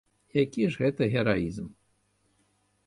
Які ж гэта гераізм.